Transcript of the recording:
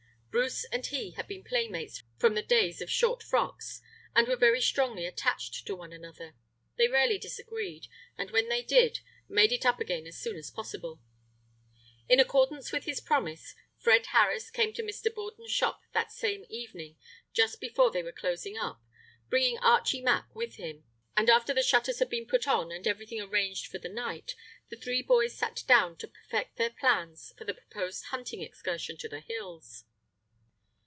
Bruce and he had been playmates from the days of short frocks, and were very strongly attached to one another. They rarely disagreed, and when they did, made it up again as soon as possible. In accordance with his promise, Fred Harris came to Mr. Borden's shop that same evening just before they were closing up, bringing Archie Mack with him; and after the shutters had been put on and everything arranged for the night, the three boys sat down to perfect their plans for the proposed hunting excursion to the hills.